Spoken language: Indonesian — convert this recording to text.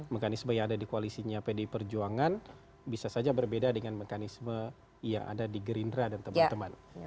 mekanisme yang ada di koalisinya pdi perjuangan bisa saja berbeda dengan mekanisme yang ada di gerindra dan teman teman